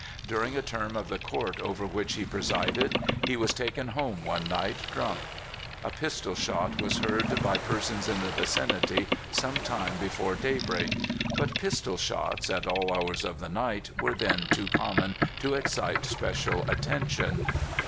During a term of the court over which he presided, he was taken home one night drunk. A pistol shot was heard by persons in the vicinity sometime before day break; but pistol shots, at all hours of the night, were then too common to excite special attention.